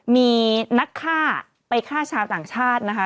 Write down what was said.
มีนักฆ่าไปฆ่าชาวต่างชาตินะคะ